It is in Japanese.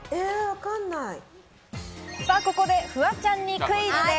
ここでフワちゃんにクイズです。